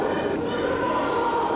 ke pasar sholayan